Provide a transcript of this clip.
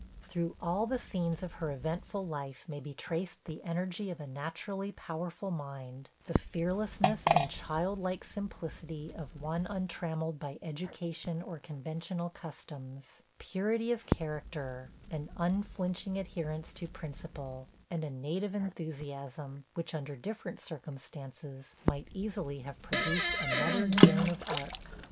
Through all the scenes of her eventful life may be traced the energy of a naturally powerful mind the fearlessness and child like simplicity of one untrammelled by education or conventional customs purity of character an unflinching adherence to principle and a native enthusiasm, which, under different circumstances, might easily have produced another Joan of Arc.